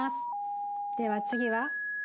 では次は。